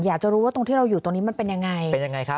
อยากจะรู้ว่าตรงที่เราอยู่ตรงนี้มันเป็นยังไงเป็นยังไงครับ